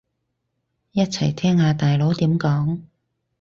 一齊聽下大佬點講